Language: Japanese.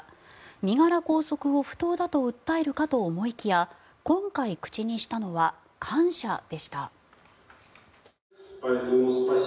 身柄拘束を不当だと訴えるかと思いきや今回、口にしたのは感謝でした。